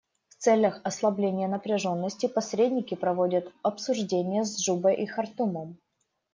В целях ослабления напряженности посредники проводят обсуждения с Джубой и Хартумом.